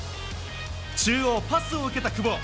中央、パスを受けた久保。